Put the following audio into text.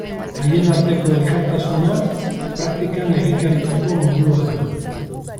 Haien arteko elkartasuna praktikan egikaritzeko modua da.